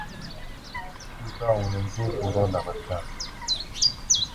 비가 오는지 보러 나갔다.